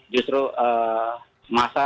justru masa malah melebar melakukan aksi